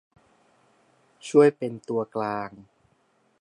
ช่วยเป็นตัวกลาง